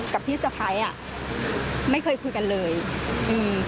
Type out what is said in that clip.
กับพี่สะพ้ายอ่ะไม่เคยคุยกันเลยอืม